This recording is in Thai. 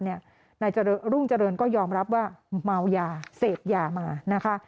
นายรุ่งเจริญก็ยอมรับว่าเมายาเสพยามานะคะ